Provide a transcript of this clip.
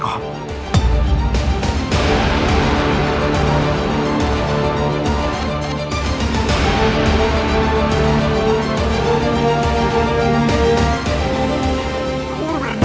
kamu sudah bisain aku